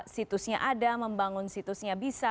situsnya ada membangun situsnya bisa